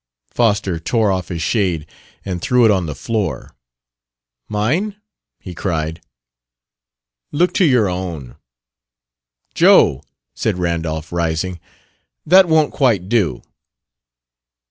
Foster tore off his shade and threw it on the floor. "Mine?" he cried. "Look to your own!" "Joe!" said Randolph, rising. "That won't quite do!"